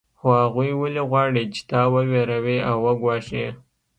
خو هغوی ولې غواړي چې تا وویروي او وګواښي